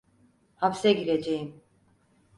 Hapse gireceğim.